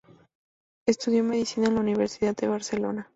Estudió medicina en la Universidad de Barcelona.